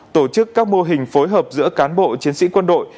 tổ chức các mô hình phối hợp giữa cán bộ chiến sĩ quân đội